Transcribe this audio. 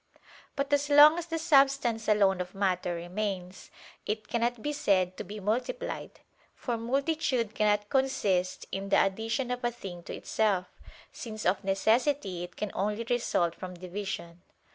But as long as the substance alone of matter remains, it cannot be said to be multiplied; for multitude cannot consist in the addition of a thing to itself, since of necessity it can only result from division.